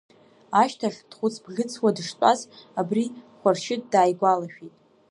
Ашьҭахь, дхәыц-бӷьыцуа дыштәаз, абри Хәаршьыҭ дааигәалашәеит.